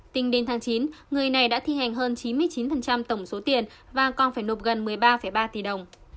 tính đến tháng chín người này đã thi hành hơn chín mươi chín tổng số tiền và còn phải nộp gần một mươi ba ba tỷ đồng